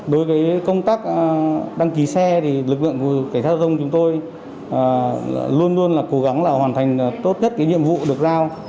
đối với công tác đăng ký xe thì lực lượng cảnh giao thông chúng tôi luôn luôn là cố gắng là hoàn thành tốt nhất cái nhiệm vụ được giao